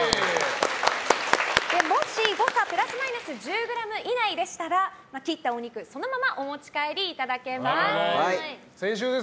もし、誤差プラスマイナス１０ｇ以内でしたら切ったお肉、そのままお持ち帰りいただけます。